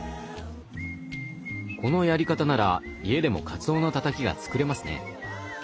このやり方なら家でもかつおのたたきが作れますね。